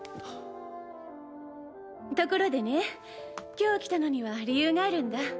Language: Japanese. ところでね今日来たのには理由があるんだ。